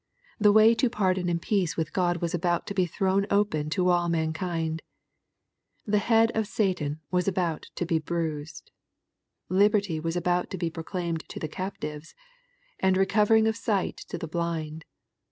The way to pardon and peace with God was about to be thrown open to all mankind. • The head of Satan was about to be bruised. Liberty was about to be proclaimed to the captives, and recovering of sight to the blind.